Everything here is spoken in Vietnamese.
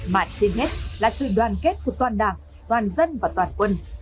mà trên hết là sự đoàn kết của toàn đảng toàn dân và toàn quân